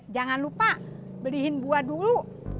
jangan lupa beliin buah dulu